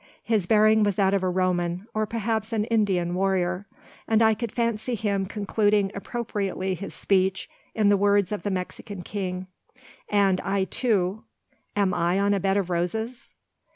His bearing was that of a Roman, or perhaps an Indian warrior, and I could fancy him concluding appropriately his speech in the words of the Mexican king, 'And I too; am I on a bed of roses?